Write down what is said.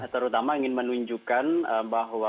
terutama ingin menunjukkan bahwa